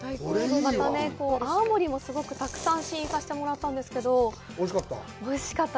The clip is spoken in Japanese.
泡盛もすごくたくさん試飲させてもらったんですけど、おいしかった？